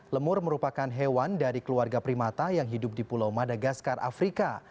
lemur merupakan hewan dari keluarga primata yang hidup di pulau madagaskar afrika